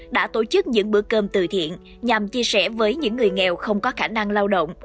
đã tổ chức những bữa cơm từ thiện nhằm chia sẻ với những người nghèo không có khả năng lao động